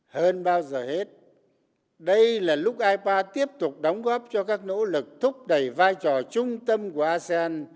hơn bao giờ hết đây là lúc ipa tiếp tục đóng góp cho các nỗ lực thúc đẩy vai trò trung tâm của asean